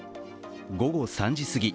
午後３時すぎ